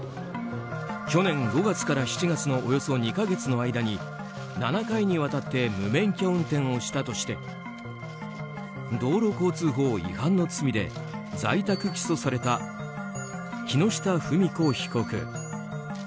去年５月から７月のおよそ２か月の間に７回にわたって無免許運転をしたとして道路交通法違反の罪で在宅起訴された木下富美子被告。